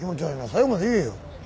最後まで言えよ。